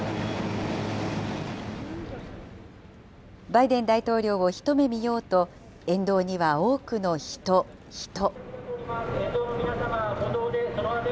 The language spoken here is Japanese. バイデン大統領を一目見ようと、沿道には多くの人、人。